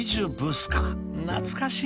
［懐かしい］